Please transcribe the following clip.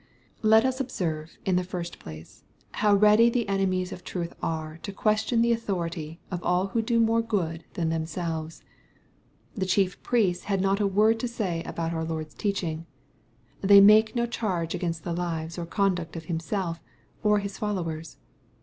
Let us observe, in the first place, how ready the enemies of troth are to question the authority of all who do more good than themselves. The chief priests have not a word to say about our Lord's teaching. They make 410 charge against the lives or conduct of Himself or His followers.